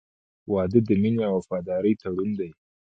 • واده د مینې او وفادارۍ تړون دی.